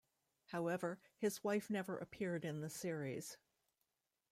However, his wife never appeared in the series.